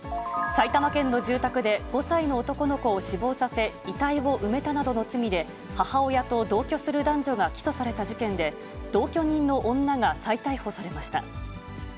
埼玉県の住宅で、５歳の男の子を死亡させ、遺体を埋めたなどの罪で、母親と同居する男女が起訴された事件で、同居人の女が再逮捕されました。